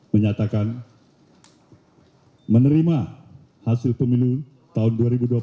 menyatakan menerima hasil pemilu tahun dua ribu dua puluh empat